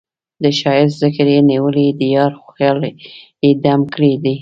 د ښــــــــایست ذکر یې نیولی د یار خیال یې دم ګړی دی